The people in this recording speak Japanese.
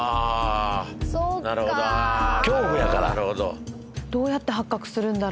恐怖やから。